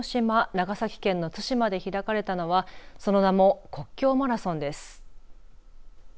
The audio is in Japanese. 長崎県の対馬で開かれたのはその名も国境マラソンです。